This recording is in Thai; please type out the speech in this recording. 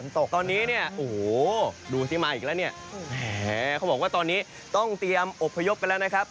ตกตอนนี้เนี่ยโอ้โหดูสิมาอีกแล้วเนี่ยแหมเขาบอกว่าตอนนี้ต้องเตรียมอบพยพกันแล้วนะครับ